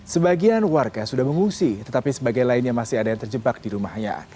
sebagian warga sudah mengungsi tetapi sebagian lainnya masih ada yang terjebak di rumahnya